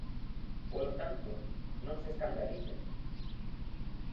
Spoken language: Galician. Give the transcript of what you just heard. Polo tanto, non se escandalice.